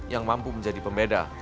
yang mampu menjadi pembeda